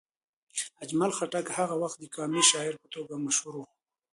اجمل خټک هغه وخت د قامي شاعر په توګه مشهور و.